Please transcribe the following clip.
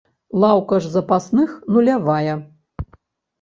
Лаўка ж запасных нулявая.